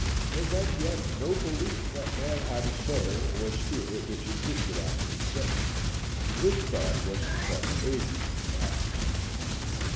They had yet no belief that man had a soul or spirit which existed after his death. This thought was to come ages thereafter.